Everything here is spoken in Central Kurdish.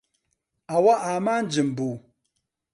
ئەوە ئامانجم بوو.